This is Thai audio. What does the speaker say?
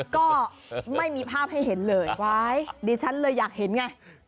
ก็ไม่มีภาพให้เห็นเลยดิฉันเลยอยากเห็นไง